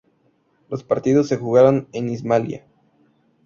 Los partidos se jugaron en Ismailia.